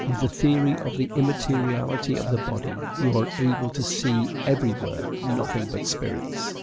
With the theory of the immateriality of the body, you are able to see everywhere nothing but spirits.